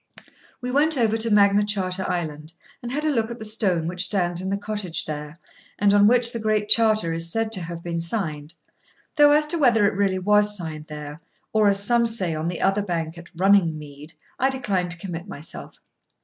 We went over to Magna Charta Island, and had a look at the stone which stands in the cottage there and on which the great Charter is said to have been signed; though, as to whether it really was signed there, or, as some say, on the other bank at "Runningmede," I decline to commit myself.